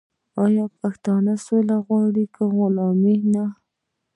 آیا پښتون سوله غواړي خو غلامي نه؟